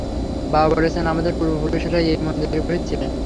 বাবা বলেছেন, আমাদের পূর্বপুরুষেরা এই মন্দিরে পুরোহিত ছিলেন।